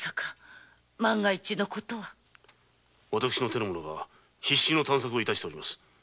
手の者が必死の探索を致しております。